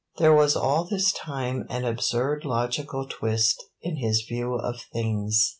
There was all this time an absurd logical twist in his view of things.